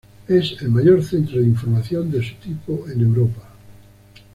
Es el mayor centro de información de su tipo en Europa.